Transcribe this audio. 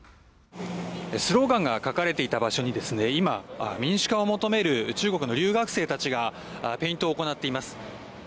スローガンが書かれていた場所に今、民主化を求める中国の留学生たちがペイントを行っています。